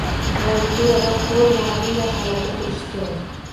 Klaviaturada qo’l mana bunday holatda turishi kerak